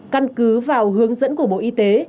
căn cứ vào hướng dẫn của bộ y tế